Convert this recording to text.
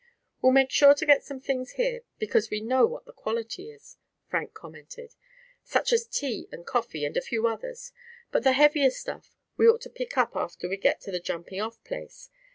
"We'll make sure to get some things here, because we know what the quality is," Frank commented, "such as tea and coffee and a few others; but the heavier stuff we ought to pick up after we get to the jumping off place.